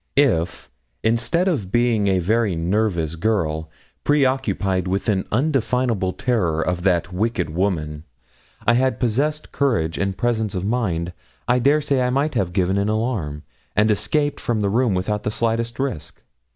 If, instead of being a very nervous girl, preoccupied with an undefinable terror of that wicked woman, I had possessed courage and presence of mind, I dare say I might have given an alarm, and escaped from the room without the slightest risk.